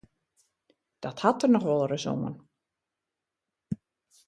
Dat hat der noch wolris oan.